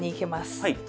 はい。